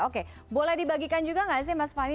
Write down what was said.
oke boleh dibagikan juga nggak sih mas fahmi